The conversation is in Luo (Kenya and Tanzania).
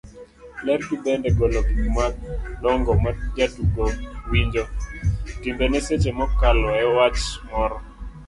ler gi bende golo gik madongo majatugo winjo, timbene seche mokalo e wach moro